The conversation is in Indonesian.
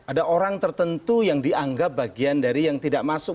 ada orang tertentu yang dianggap bagian dari yang tidak masuk